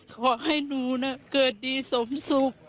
ขอให้หนูเกิดดีสมสุข